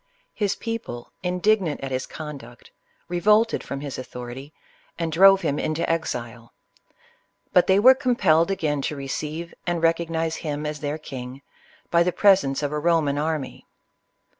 His people, indignant at his con duct, revolted from his authority and drove him into exile ; but they were compelled again to receive and recognize him as their king, by the presence of a Ro man army.